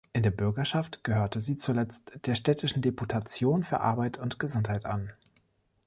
In der Bürgerschaft gehörte sie zuletzt der Städtischen Deputation für Arbeit und Gesundheit an.